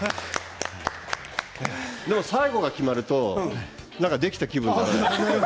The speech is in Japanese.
でも、最後が決まるとできた気分になる。